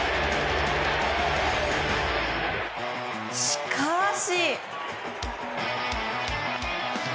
しかし。